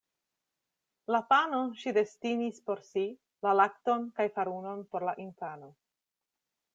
La panon ŝi destinis por si, la lakton kaj farunon por la infano.